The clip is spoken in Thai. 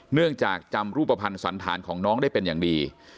เนื่องจากจำรูปภัณฑ์สันธารของน้องได้เป็นอย่างดี